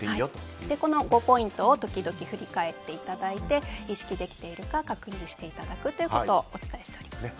この５ポイントを時々、振り返っていただいて意識できているか確認していくということをお伝えしています。